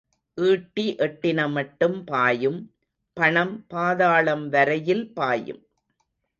ஈட்டி எட்டின மட்டும் பாயும் பணம் பாதாளம் வரையில் பாயும்.